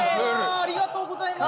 ありがとうございます